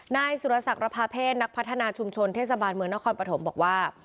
นายสุรสักระพาเพศนักพัฒนาชุมชนเทศบาลเมืองนครปฐมบอกว่า